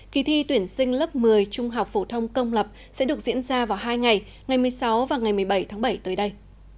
kỳ thi tuyển sinh lớp một mươi trung học phổ thông công lập sẽ được diễn ra vào hai ngày ngày một mươi sáu và ngày một mươi bảy tháng bảy tới đây